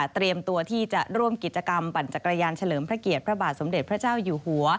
เตรียมตัวที่จะร่วมกิจกรรมปั่นจักรยานเฉลิมพระเกียรติพระบาทสมเด็จพระเจ้าอยู่หัว